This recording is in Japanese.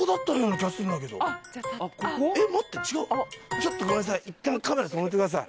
ちょっとごめんなさい。